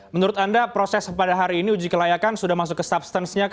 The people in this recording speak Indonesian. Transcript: menurut anda proses pada hari ini uji kelayakan sudah masuk ke substance nya